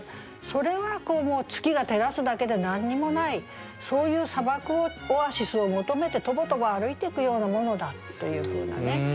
それはもう月が照らすだけで何にもないそういう砂漠をオアシスを求めてとぼとぼ歩いていくようなものだというふうなね。